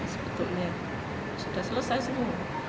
sudah selesai semua